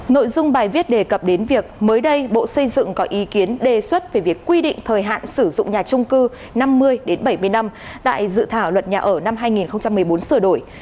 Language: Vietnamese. nội dung bài viết đề cập đến việc mới đây bộ xây dựng có ý kiến đề xuất về việc quy định thời hạn sử dụng nhà trung cư năm mươi bảy mươi năm tại dự thảo luật nhà ở năm hai nghìn một mươi bốn sửa đổi